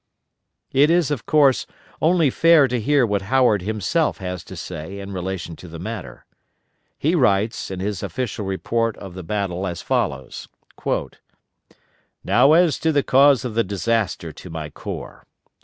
It is, of course, only fair to hear what Howard himself has to say in relation to this matter. He writes in his official report of the battle as follows: "Now as to the cause of the disaster to my corps.